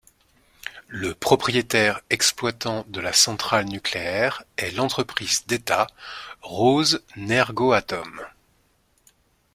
Le propriétaire-exploitant de la centrale nucléaire est l'entreprise d'État Rosenergoatom.